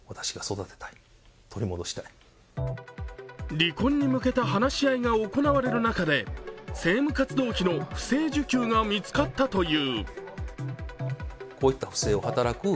離婚に向けた話し合いが行われる中で政務活動費の不正受給が見つかったという。